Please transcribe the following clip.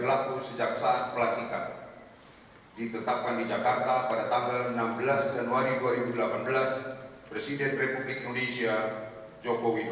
lalu kebangsaan indonesia baik